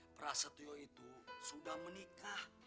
perasa tuyo itu sudah menikah